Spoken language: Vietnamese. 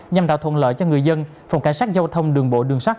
nhằm đạo thuận lợi cho người dân phòng cảnh sát giao thông đường bộ đường sát